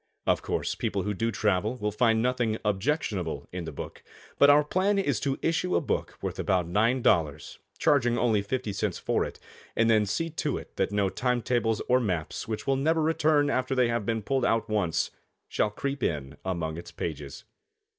Of course, people who do travel will find nothing objectionable in the book, but our plan is to issue a book worth about $9, charging only fifty cents for it, and then see to it that no time tables or maps which will never return after they have been pulled out once, shall creep in among its pages.